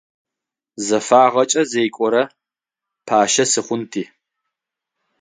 Зэфагъэкӏэ зекӏорэ пащэ сыхъунти.